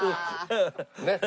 ねっ。